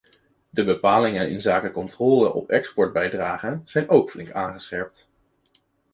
De bepalingen inzake controle op exportbijdragen zijn ook flink aangescherpt.